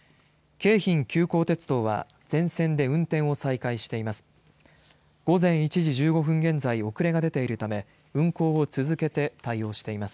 京浜急行鉄道は全線で運転を再開しています。